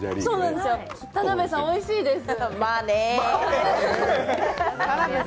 田辺さん、おいしいです。